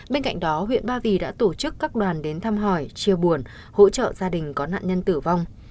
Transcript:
bên cạnh đó huyện ba vì đã tổ chức các đoàn đến thăm hỏi chia buồn hỗ trợ gia đình có nạn nhân tử vong